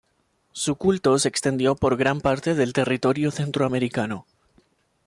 Su culto se extendió por gran parte del territorio centroamericano.